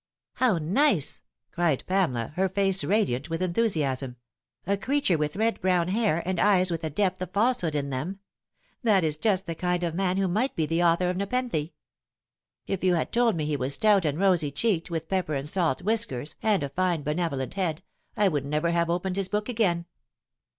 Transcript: " Hownice !" cried Pamela, her face radiant with enthusiasm ;" a creature with red brown hair, and eyes with a depth of f al5 hood in them. That is just the kind of man who might be the author of Nepenthe. If you had told me he was stout and rosy cheeked, with pepper and salt whiskers and a fine, benevolent head, I would never have opened his book again."